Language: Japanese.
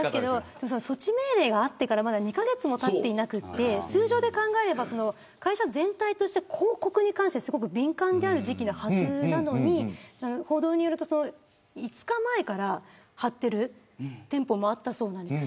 措置命令があってから２カ月もたってなくて通常で考えれば会社全体として広告に関して敏感である時期なはずなのに報道によると５日前から貼っている店舗もあったそうなんです。